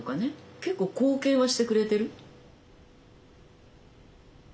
結構貢献はしてくれてる。